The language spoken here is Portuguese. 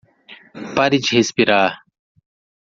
Pare de respirar